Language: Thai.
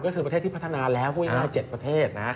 ก็คือประเทศที่พัฒนาแล้วพูดง่าย๗ประเทศนะ